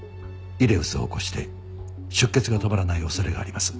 イレウスを起こして出血が止まらない恐れがあります。